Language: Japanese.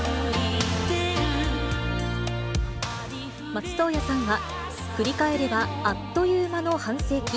松任谷さんは、振り返ればあっという間の半世紀。